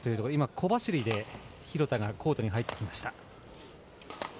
小走りで廣田がコートに入ってきました。